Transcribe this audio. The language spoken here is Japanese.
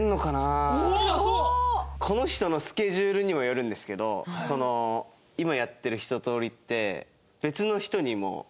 この人のスケジュールにもよるんですけど今やってるひととおりって。